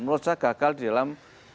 menurut saya gagal dalam